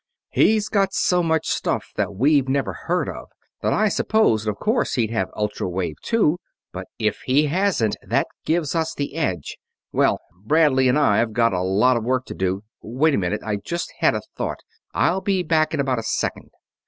He's got so much stuff that we've never heard of that I supposed of course he'd have ultra wave, too; but if he hasn't, that gives us the edge. Well, Bradley and I've got a lot of work to do.... Wait a minute, I just had a thought. I'll be back in about a second."